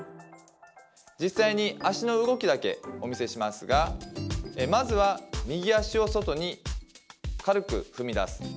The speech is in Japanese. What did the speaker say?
実際に足の動きだけお見せしますがまずは右足を外に軽く踏み出す。